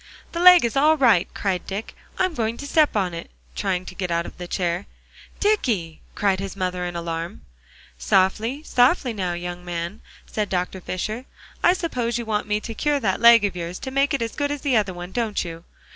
"The leg is all right," cried Dick; "I'm going to step on it," trying to get out of the chair. "Dicky!" cried his mother in alarm. "Softly softly now, young man," said Dr. Fisher. "I suppose you want me to cure that leg of yours, and make it as good as the other one, don't you?"